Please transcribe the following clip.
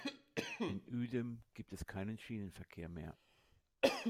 In Uedem gibt es keinen Schienenverkehr mehr.